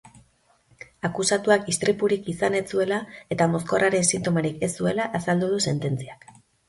Akusatuak istripurik izan ez zuela eta mozkorraren sintomarik ez zuela azaldu du sententziak.